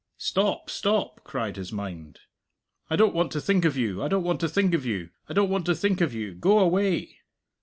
"Stop, stop!" cried his mind; "I don't want to think of you, I don't want to think of you, I don't want to think of you! Go away!"